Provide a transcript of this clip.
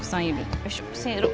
よいしょせーの。